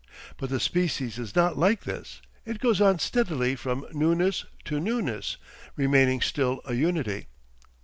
But the species is not like this; it goes on steadily from newness to newness, remaining still a unity.